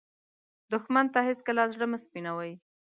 دښمن ته هېڅکله زړه مه سپينوې